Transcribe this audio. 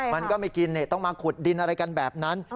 มันก็ไม่กินต้องมาขุดดินอะไรกันแบบนั้น